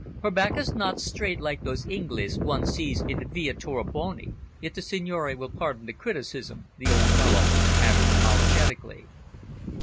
Her back is not straight like those Inglese one sees in the Via Tornabuoni if the signore will pardon the criticism," the old fellow added apologetically.